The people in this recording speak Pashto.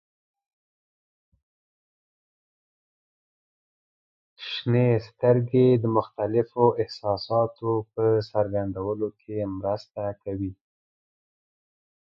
• شنې سترګې د مختلفو احساساتو په څرګندولو کې مرسته کوي.